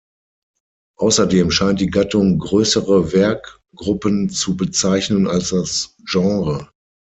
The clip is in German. Außerdem scheint die Gattung größere Werkgruppen zu bezeichnen als das Genre.